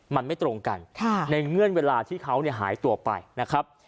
มันไม่ตรงกันในเงื่อนเวลาที่เขาหายตัวไปนะครับ